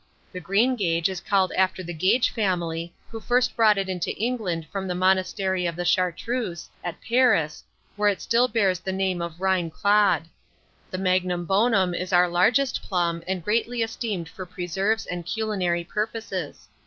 The Greengage is called after the Gage family, who first brought it into England from the monastery of the Chartreuse, at Paris, where it still bears the name of Reine Claude. The Magnum bonum is our largest plum, and greatly esteemed for preserves and culinary purposes.